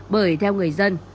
bởi theo người dân